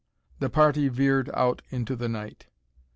The party veered out into the night.